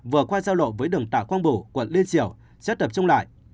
vừa qua giao lộ với đường tạ quang bủ quận liên triều sẽ tập trung lại